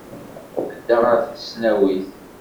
Tedda ɣer tesnawit.